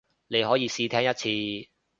你可以試聽一次